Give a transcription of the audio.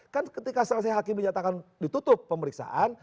kan ketika selesai hakim dinyatakan ditutup pemeriksaan